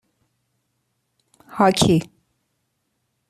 هاکی